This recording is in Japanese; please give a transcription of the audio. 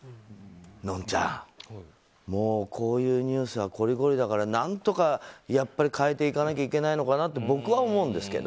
のんちゃん、もうこういうニュースはこりごりだから何とか変えていかなきゃいけないのかなと僕は思うんですけど。